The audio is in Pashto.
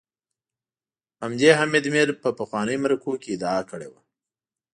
همدې حامد میر په پخوانیو مرکو کي ادعا کړې وه